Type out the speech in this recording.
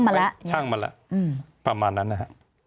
ช่างมาแล้วประมาณนั้นนะครับ